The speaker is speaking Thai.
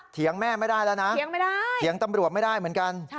เทียงแม่ไม่ได้แล้วนะเทียงตำรวจไม่ได้เหมือนกัน